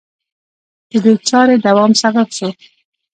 د دې چارې دوام سبب شو